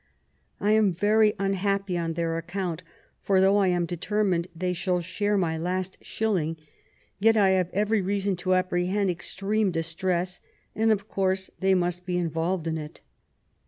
I am very unhappy on their account, for though I am deter mined they shall share my last shilling, yet I have every reason to apprehend extreme distress, and of course they must be involved in it.